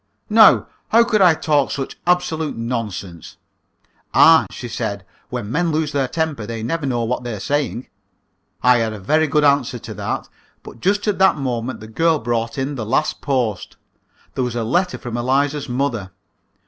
"Now, how could I talk such absolute nonsense?" "Ah!" she said; "when men lose their temper they never know what they're saying!" I had a very good answer to that, but just at the moment the girl brought in the last post. There was a letter from Eliza's mother.